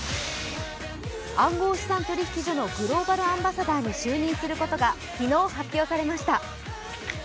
暗号資産取引所のグローバル・アンバサダーに就任することが昨日、発表されました。